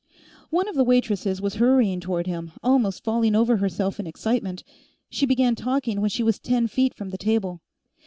One of the waitresses was hurrying toward him, almost falling over herself in excitement. She began talking when she was ten feet from the table.